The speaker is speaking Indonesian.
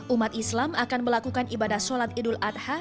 umat islam akan melakukan ibadah sholat idul adha